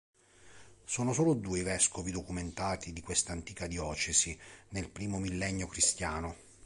Sono solo due i vescovi documentati di questa antica diocesi nel primo millennio cristiano.